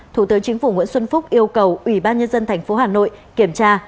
thủ tướng chính phủ nguyễn xuân phúc yêu cầu ủy ban nhân dân tp hà nội kiểm tra